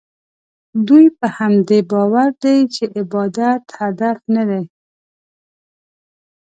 دوی په همدې باور دي چې عبادت هدف نه دی.